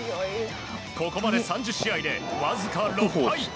ここまで３０試合でわずか６敗。